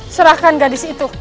serahkan gadis itu